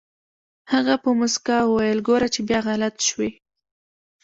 هغه په موسکا وويل ګوره چې بيا غلط شوې.